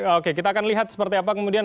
oke kita akan lihat seperti apa kemudian